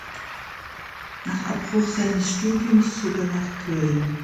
Nach Abbruch seines Studiums zog er nach Köln.